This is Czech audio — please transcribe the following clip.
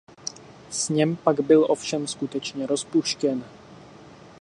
Sněm pak byl ovšem skutečně rozpuštěn.